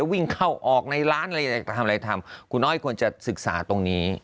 วิ่งเข้าออกในร้านอะไรทำอะไรทำคุณอ้อยควรจะศึกษาตรงนี้